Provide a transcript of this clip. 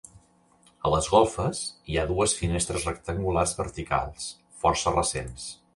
A les golfes, hi ha dues finestres rectangulars verticals, força recents.